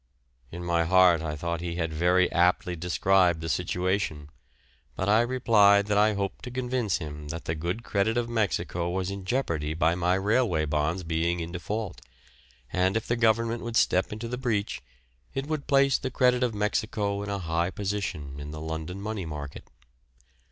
In my heart I thought he had very aptly described the situation, but I replied that I hoped to convince him that the good credit of Mexico was in jeopardy by my railway bonds being in default, and if the Government would step into the breach it would place the credit of Mexico in a high position in the London money market.